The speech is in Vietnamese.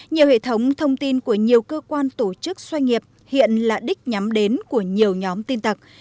nhiều hệ thống thông tin của nhiều cơ quan tổ chức xoay nghiệp hiện là đích nhắm đến của nhiều nhóm tin tặc